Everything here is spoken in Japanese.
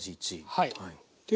はい。